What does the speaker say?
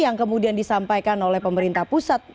yang kemudian disampaikan oleh pemerintah pusat